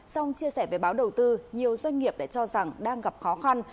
song chia sẻ về báo đầu tư nhiều doanh nghiệp đã cho rằng đang gặp khó khăn